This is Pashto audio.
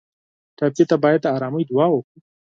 ټپي ته باید د ارامۍ دعا وکړو.